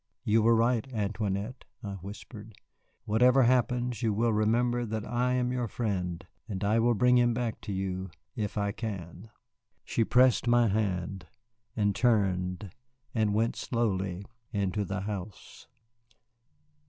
"You were right, Antoinette," I whispered; "whatever happens, you will remember that I am your friend. And I will bring him back to you if I can." She pressed my hand, and turned and went slowly into the house.